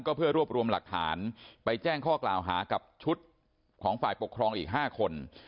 เพื่อรวบรวมหลักฐานไปแจ้งข้อกล่าวหากับชุดของฝ่ายปกครองอีก๕คน